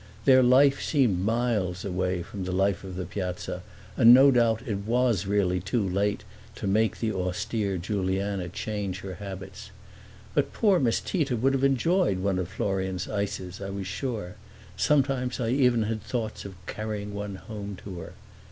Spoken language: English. Their life seemed miles away from the life of the Piazza, and no doubt it was really too late to make the austere Juliana change her habits. But poor Miss Tita would have enjoyed one of Florian's ices, I was sure; sometimes I even had thoughts of carrying one home to her.